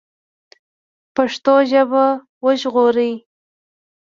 پښتو ژبه وژغورئ